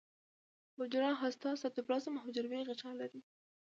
حجره هسته سایتوپلازم او حجروي غشا لري